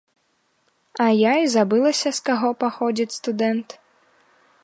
А я і забылася, з каго паходзіць студэнт.